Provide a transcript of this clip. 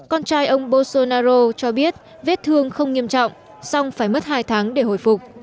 con trai ông bolsonaro cho biết vết thương không nghiêm trọng xong phải mất hai tháng để hồi phục